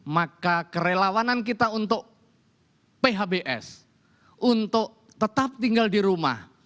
maka kerelawanan kita untuk phbs untuk tetap tinggal di rumah